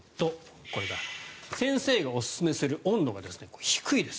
先生がおすすめする温度が低いです。